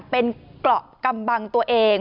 เป็นเกราะกำบังตัวเอง